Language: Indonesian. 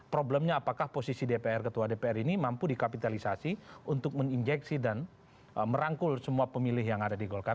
problemnya apakah posisi dpr ketua dpr ini mampu dikapitalisasi untuk menginjeksi dan merangkul semua pemilih yang ada di golkar